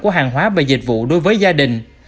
của hàng hóa và dịch vụ đối với gia đình